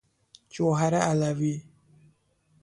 جوهر علوی